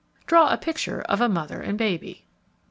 _ _Draw a picture of a mother and baby.